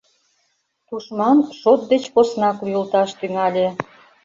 Тушман шот деч поснак лӱйылташ тӱҥале.